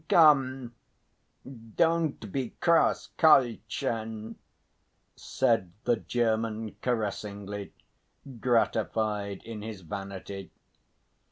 "Come, don't be cross, Karlchen," said the German caressingly, gratified in his vanity.